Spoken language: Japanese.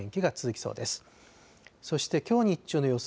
そしてきょう日中の予想